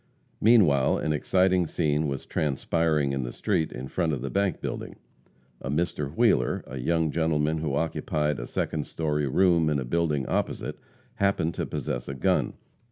Meanwhile, an exciting scene was transpiring in the street in front of the bank building. A Mr. Wheeler, a young gentleman who occupied a second story room in a building opposite, happened to possess a gun.